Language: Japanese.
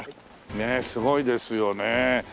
ねえすごいですよね。